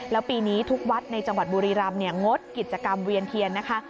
แล้วปีนี้ทุกวัดในจังหวัดบุรีรำงดกิจกรรมเวียนเทียนนะคะ